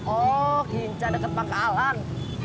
oh ginca deket pangkalan